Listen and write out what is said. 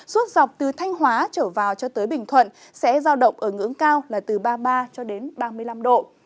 suốt dọc từ thanh hóa trở vào cho tới bình thuận sẽ giao động ở ngưỡng cao là từ ba mươi ba cho đến ba mươi năm độ